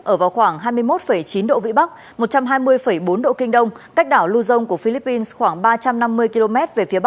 ở vào khoảng hai mươi một chín độ vị bắc một trăm hai mươi km